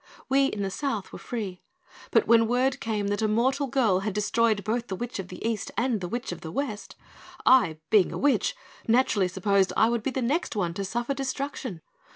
We in the South were free, but when word came that a mortal girl had destroyed both the Witch of the East and the Witch of the West, I, being a witch, naturally supposed I would be the next one to suffer destruction.